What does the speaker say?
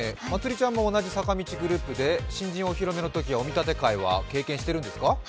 まつりちゃんも同じ坂道グループで新人のお披露目のときはお見立て会は経験してるんですか？